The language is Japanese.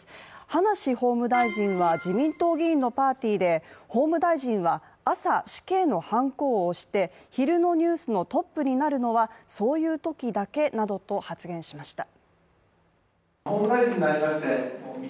葉梨法務大臣は自民党議員のパーティーで法務大臣は、朝死刑のはんこを押して昼のニュースのトップになるのはそういうときだけ、などと発言しました。